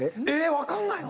わかんないの？